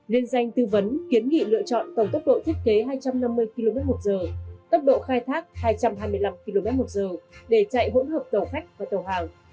liên danh tư vấn kiến nghị lựa chọn tổng tốc độ thiết kế hai trăm năm mươi km một giờ tốc độ khai thác hai trăm hai mươi năm km một giờ để chạy hỗn hợp tàu khách và tàu hàng